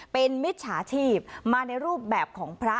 เป็นมิจฉาชีพมาในรูปแบบของพระ